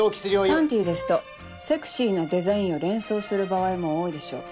「パンティ」ですとセクシーなデザインを連想する場合も多いでしょう。